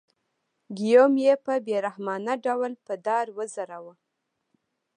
ګیوم یې په بې رحمانه ډول په دار وځړاوه.